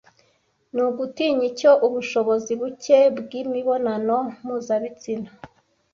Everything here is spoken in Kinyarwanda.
ni ugutinya icyo Ubushobozi buke bwimibonano mpuzabitsina